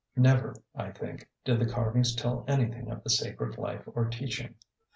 Never, I think, do the carvings tell anything of the sacred life or teaching.